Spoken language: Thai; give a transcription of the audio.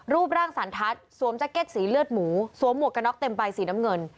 รูปร่างสันทัศน์สวมแจ็คเก็ตสีเลือดหมูสวมหมวกกระน็อกเต็มใบสีน้ำเงิน